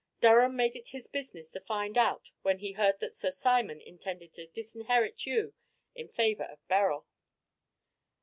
Durham made it his business to find out when he heard that Sir Simon intended to disinherit you in favor of Beryl."